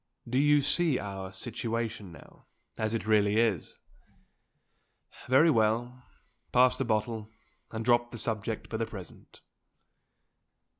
Do you see our situation now, as it really is? Very well. Pass the bottle, and drop the subject for the present."